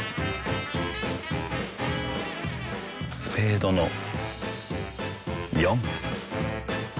スペードの４。